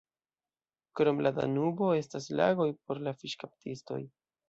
Krom la Danubo estas lagoj por la fiŝkaptistoj.